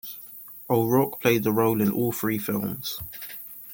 O'Rourke played the role in all three films.